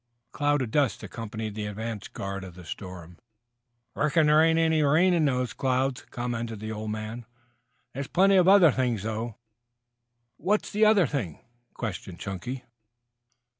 A cloud of dust accompanied the advance guard of the storm. "Reckon there ain't any rain in them clouds," commented the old man. "There's plenty of the other thing, though." "What's the other thing?" questioned Chunky.